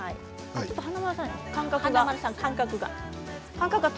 ちょっと間隔が。